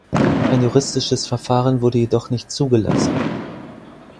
Ein juristisches Verfahren wurde jedoch nicht zugelassen.